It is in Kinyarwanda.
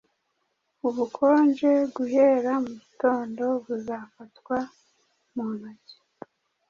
Ubukonje guhera mu gitondo buzafatwa mu ntoki